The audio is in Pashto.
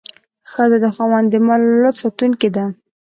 ښځه د خاوند د مال او اولاد ساتونکې ده.